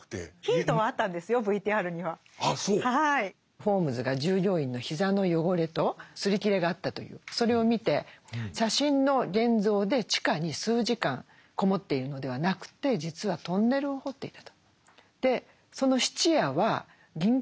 ホームズが従業員の膝の汚れと擦り切れがあったというそれを見て写真の現像で地下に数時間籠もっているのではなくて実はそういう事件でした。